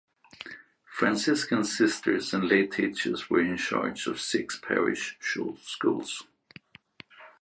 Franciscan sisters and lay teachers were in charge of six parish schools.